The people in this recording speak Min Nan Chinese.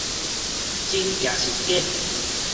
真抑是假